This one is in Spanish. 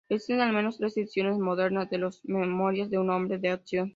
Existen al menos tres ediciones modernas de las "Memorias de un hombre de acción".